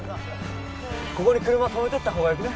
ここに車止めてったほうがよくね？